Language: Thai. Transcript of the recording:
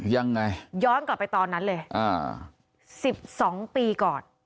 ยังไงย้อนกลับไปตอนนั้นเลยอ่าสิบสองปีก่อน